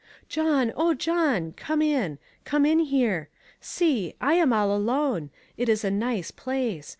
" John, oh, John, come in ; come in here. See ! I am all alone ; it is a nice place.